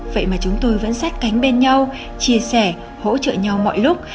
vậy mà chúng tôi vẫn sắt cánh bên nhau chia sẻ hỗ trợ nhau mọi lúc